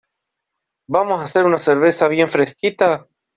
¿Vamos a hacer una cerveza bien fresquita?